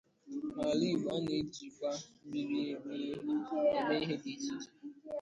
N' ala igbo a'na eji kwa mmiri eme ihe ịche ịche.